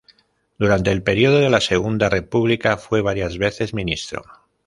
Durante el periodo de la Segunda República fue varias veces ministro.